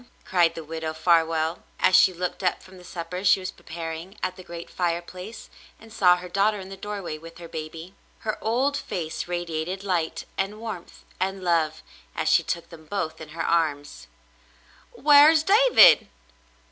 " cried the Widow Farwell, as she looked up from the supper she was preparing at the great fireplace, and saw her daughter in the doorway with her baby. Her old face radiated light and warmth and love as she took them both in her arms. "Whar's David